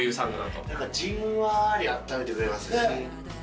じんわりあっためてくれます。